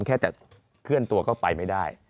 แค่จะเคลื่อนตัวก็ไปไม่ได้